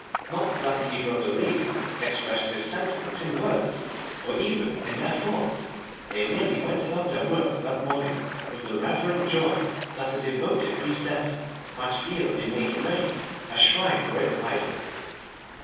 Not that either of the ladies expressed this sentiment in words, or even in their thoughts; they merely went about their work that morning with the reverent joy that a devoted priestess might feel in making ready a shrine for its idol.